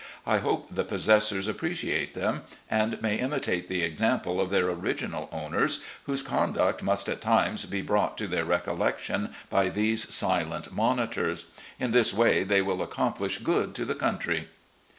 I hope the possessors appreciate them and may imitate the example of their original owners, whose conduct must at times be brought to their recollection by these silent monitors. In this way they will accomplish good to the country.